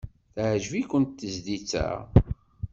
Teɛjeb-iken tezlit-a?